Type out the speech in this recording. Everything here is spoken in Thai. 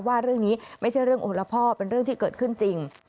ว่าเรื่องนี้ไม่ใช่เรื่องโอละพ่อเป็นเรื่องที่เกิดขึ้นจริง